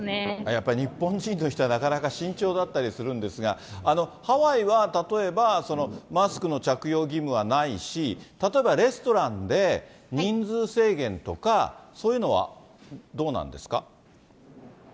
やっぱり日本人の人は、なかなか慎重だったりするんですが、ハワイは例えば、マスクの着用義務はないし、例えばレストランで人数制限とか、そういうのはどうなんですか？